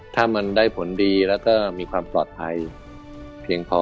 ถ้ามันได้ผลดีแล้วก็มีความปลอดภัยเพียงพอ